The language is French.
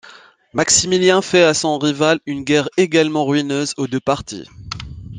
Maximilien fait à son rival une guerre également ruineuse aux deux partis.